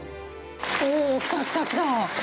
おお、来た来た来た。